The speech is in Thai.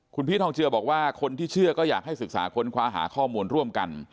คุณพีชทองเจือบอกว่าคนที่เชื่อก็อยากให้ศึกษาค้นคว้าหาข้อมูลร่วมกัน